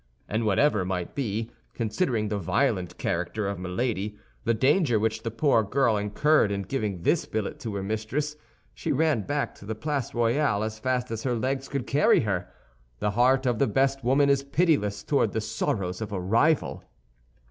And whatever might be—considering the violent character of Milady—the danger which the poor girl incurred in giving this billet to her mistress, she ran back to the Place Royale as fast as her legs could carry her. The heart of the best woman is pitiless toward the sorrows of a rival.